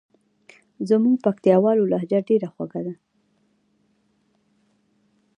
زموږ پکتیکاوالو لهجه ډېره خوژه ده.